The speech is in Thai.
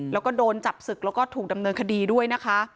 แล้วก็โดนจับศึกแล้วก็ถูกดำเนินคดีด้วยนะคะ